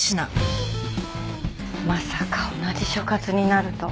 まさか同じ所轄になるとは。